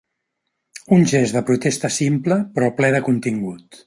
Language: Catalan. Un gest de protesta simple però ple de contingut.